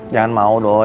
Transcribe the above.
jangan mau doi